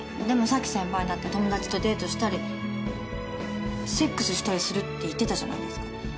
でも咲先輩だって友達とデートしたりセックスしたりするって言ってたじゃないですか。